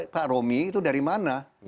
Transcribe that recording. pak romi itu dari mana